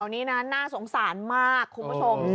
นี่นะน่าสงสารมากคุณผู้ชม